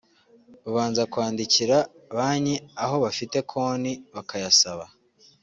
babanza kwandikira banki aho bafite konti bakayasaba